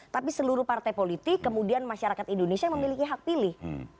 tapi seluruh partai politik kemudian masyarakat indonesia yang memiliki hak pilih